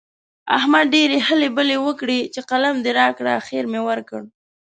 احمد ډېرې هلې بلې وکړې چې قلم دې راکړه؛ اخېر مې ورکړ.